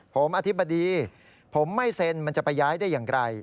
ผมอธิบดีผมไม่เซ็นมันจะไปย้ายได้อย่างไร